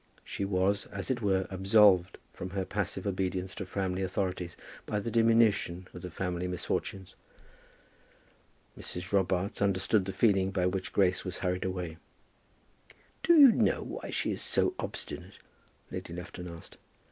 She was, as it were, absolved from her passive obedience to Framley authorities by the diminution of the family misfortunes. Mrs. Robarts understood the feeling by which Grace was hurried away. "Do you know why she is so obstinate?" Lady Lufton asked.